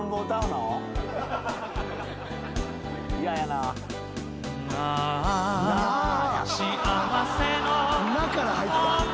「な」から入った。